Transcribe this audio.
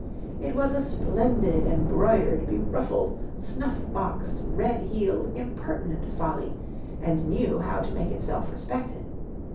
'It was a splendid embroidered, beruffled, snuff boxed, red heeled, impertinent Folly, and knew how to make itself respected.